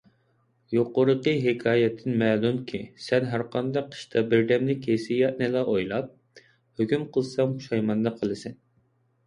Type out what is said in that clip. يۇقىرىقى ھېكايەتتىن مەلۇمكى، سەن ھەرقانداق ئىشتا بىردەملىك ھېسسىياتنىلا ئويلاپ، ھۆكۈم قىلساڭ پۇشايماندا قالىسەن.